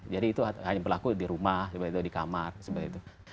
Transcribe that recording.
jadi itu hanya berlaku di rumah seperti itu di kamar seperti itu